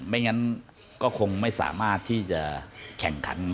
ไม่งั้นก็คงไม่สามารถที่จะแข่งขัน